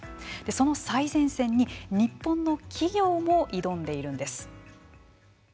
その最前線に日本の企業も挑んでいるんです。